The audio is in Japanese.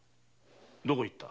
どこへ行った？